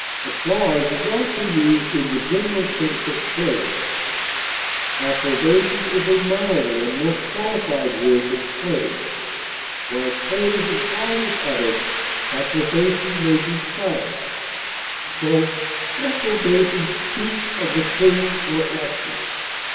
Applause is also used in the general sense of praise. Approbation is a milder and more qualified word than praise; while praise is always uttered, approbation may be silent. "Approbation speaks of the thing or action....